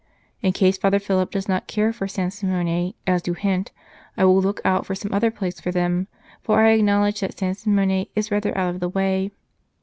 In case Father Philip does not care for San Simone, as you hint, I will look out for some other place for them, for I acknowledge that San Simone is rather out of the way."